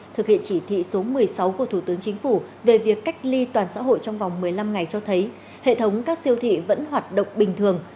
thực hiện chỉ thị số một mươi sáu của thủ tướng chính phủ về việc cách ly toàn xã hội trong vòng một mươi năm ngày cho thấy hệ thống các siêu thị vẫn hoạt động bình thường